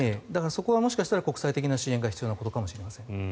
そこはもしかしたら国際的な支援が必要なことかもしれません。